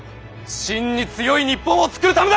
真に強い日本を作るためだ！